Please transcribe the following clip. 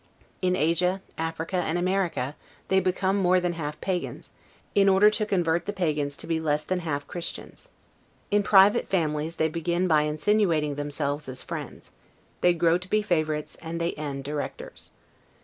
In Asia, Africa, and America they become more than half pagans, in order to convert the pagans to be less than half Christians. In private families they begin by insinuating themselves as friends, they grow to be favorites, and they end DIRECTORS.